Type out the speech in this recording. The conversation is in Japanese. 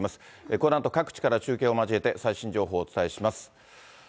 このあと各地から中継を交えて、最新情報をお伝えします。